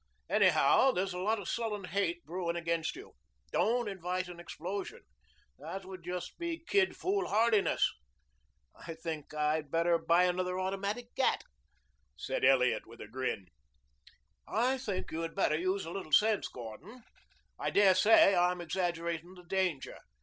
Anyhow, there's a lot of sullen hate brewing against you. Don't invite an explosion. That would be just kid foolhardiness." "You think I'd better buy another automatic gat," said Elliot with a grin. "I think you had better use a little sense, Gordon. I dare say I am exaggerating the danger.